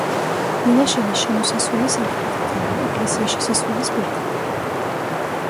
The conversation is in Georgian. მინაშენის შესასვლელი სამხრეთითაა, ეკლესიის შესასვლელის პირდაპირ.